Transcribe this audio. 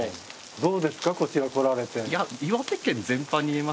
どうですかこちら来られて？